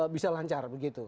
bisa lancar begitu